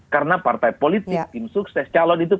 karena partai politik tim sukses calon itu